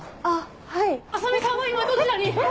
あっはい。